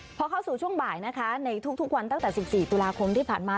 พอเข้าสู่ช่วงบ่ายนะคะในทุกวันตั้งแต่๑๔ตุลาคมที่ผ่านมา